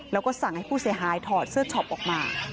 แล้วก็สั่งให้ผู้เสียหายถอดเสื้อช็อปออกมา